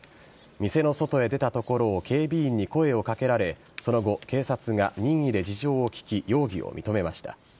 店の外へ出たところを警備員に声をかけられその後、警察が任意で事情を聴き容疑を認めました。